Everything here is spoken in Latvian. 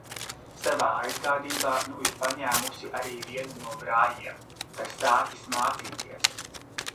Savā aizgādībā nu ir paņēmusi arī vienu no brāļiem. Tas sācis mācīties.